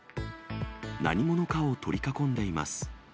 何者かを取り囲んでいます。